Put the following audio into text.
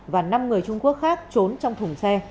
và năm người trung quốc khác trốn trong thùng xe